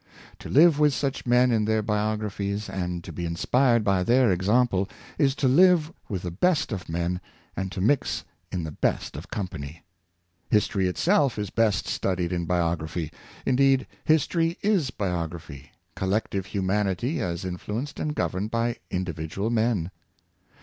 To live with such men in their biogra phies, and to be inspired by their example, is to live with the best of men and to mix in the best of company. History itself is best studied in biography. Indeed, history is biography — collective humanity as influenced and governed by individual men.